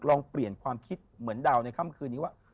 ลองเปลี่ยนความคิดเหมือนดาวในค่ำคืนนี้ว่า